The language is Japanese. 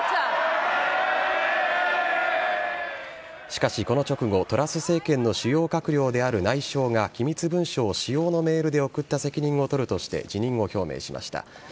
しかし、この直後トラス政権の主要閣僚である内相が機密文書を私用のメールで送った責任を取るとして辞任を表明しました。